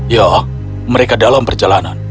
ya mereka dalam perjalanan